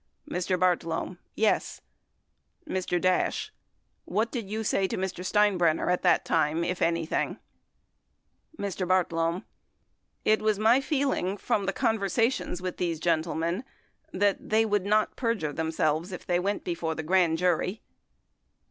Mr. Bartlome. Yes. Mr. Dash. What did you say to Mr. Steinbrenner at that time, if anything ? 28 13 Hearings 5408 . 457 Mr. Bartlome. It was my feeling from the conversations with these gentlemen that they would not perjure themselves if they went before the grand jury.